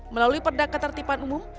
melalui perdagat tertipan umum